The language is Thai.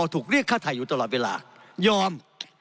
ถูกเรียกฆ่าไทยอยู่ตลอดเวลายอม